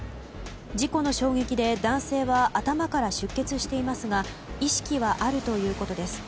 事故の衝撃で男性は頭から出血していますが意識はあるということです。